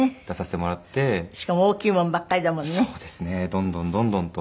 どんどんどんどんと。